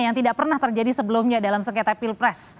yang tidak pernah terjadi sebelumnya dalam sengketa pilpres